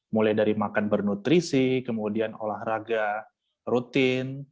mulai dari makan bernutrisi kemudian olahraga rutin